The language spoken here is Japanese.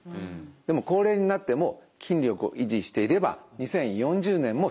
でも高齢になっても筋力を維持していれば２０４０年も心配ないはずです。